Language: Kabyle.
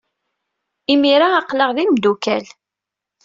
Imir-a, aql-aɣ d imeddukal.